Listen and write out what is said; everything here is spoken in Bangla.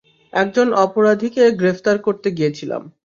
একজন অপরাধীকে গ্রেফতার করতে গিয়েছিলাম।